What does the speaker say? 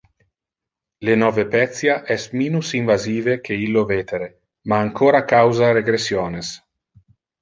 Le nove pecia es minus invasive que illo vetere, ma ancora causa regressiones.